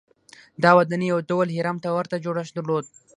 دا ودانۍ یو ډول هرم ته ورته جوړښت درلود.